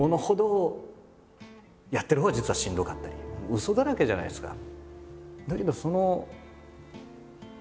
ウソだらけじゃないですか。